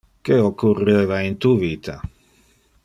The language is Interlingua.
Que occurreva in tu vita?